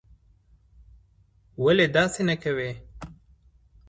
ولي داسې نه کوې?